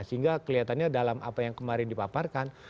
sehingga kelihatannya dalam apa yang kemarin dipaparkan